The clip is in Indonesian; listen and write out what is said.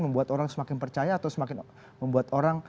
membuat orang semakin percaya atau semakin membuat orang